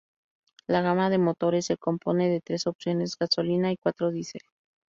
La gama de motores se compone de tres opciones gasolina y cuatro Diesel.